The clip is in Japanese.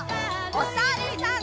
おさるさん。